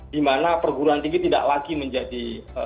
dimana perguruan tinggi tidak lagi menjadi